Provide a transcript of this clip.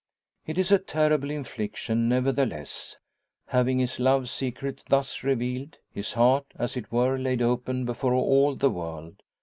It is a terrible infliction, nevertheless, having his love secret thus revealed, his heart, as it were, laid open before all the world.